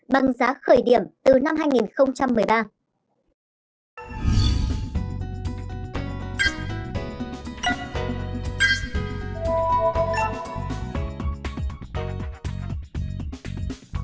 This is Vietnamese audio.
bằng giá khởi điểm từ năm hai nghìn một mươi ba